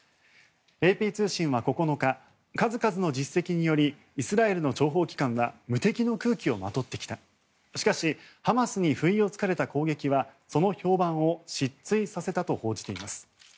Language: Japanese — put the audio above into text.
ＡＰ通信は９日数々の実績によりイスラエルの諜報機関は無敵の空気をまとってきたしかしハマスに不意を突かれた攻撃はその評判を失墜させたと報じています。